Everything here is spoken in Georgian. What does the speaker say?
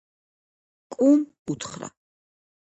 კუმ უთხრა: